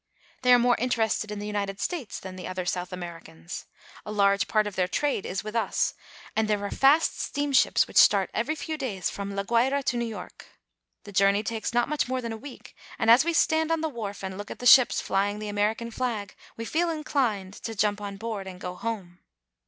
They are more interested in the United States than the other South Americans. A large part of their trade is 342 THE GUIANAS. with us, and there are fast steamships which start every few days from La Guaira to New York. The journey takes not much more than a week, and as we stand on the wharf and look at the ships flying the American flag we feel inclined to jump on board and go home.